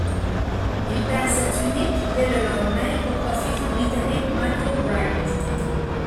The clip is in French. Il perd sa tunique, dès le lendemain, au profit du Britannique Michael Wright.